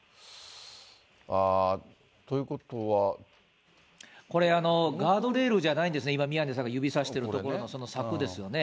ああ、これ、ガードレールじゃないんですね、今、宮根さんが指さしている所の、柵ですよね。